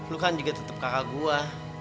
lo kan juga tetep kakak gue